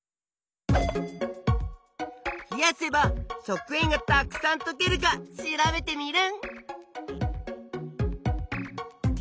冷やせば食塩がたくさんとけるか調べテミルン！